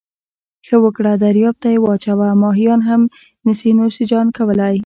ښه وکړه درياب ته یې واچوه، ماهيان يې هم نسي نوش کولای.